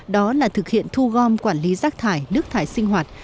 đó là thực hiện thu gom quản lý rác thải nước thải sinh hoạt